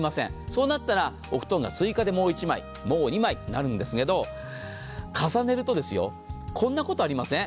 そうなったらお布団を追加でもう１枚、もう２枚となるんですけど、重ねるとですよ、こんなことありません？